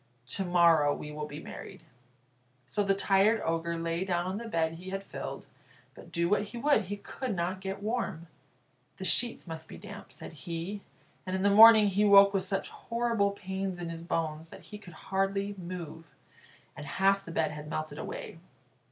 To morrow we will be married." So the tired Ogre lay down on the bed he had filled, but, do what he would, he could not get warm. "The sheets must be damp," said he, and in the morning he woke with such horrible pains in his bones that he could hardly move, and half the bed had melted away.